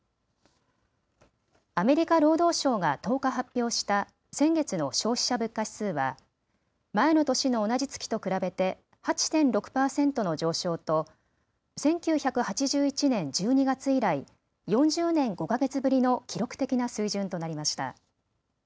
アメリカ労働省が１０日、発表した先月の消費者物価指数は前の年の同じ月と比べて８．６％の上昇と１９８１年１２月以来、４０年５か月ぶりの記録的な水準となりました。